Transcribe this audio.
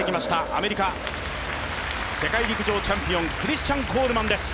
アメリカ世界陸上チャンピオンクリスチャン・コールマンです。